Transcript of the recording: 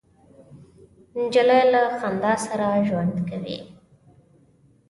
نجلۍ له خندا سره ژوند کوي.